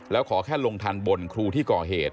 แล้วขอแค่ลงทันบนครูที่ก่อเหตุ